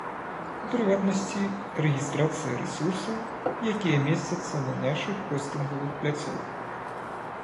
У прыватнасці, рэгістрацыя рэсурсаў, якія месцяцца на нашых хостынгавых пляцоўках.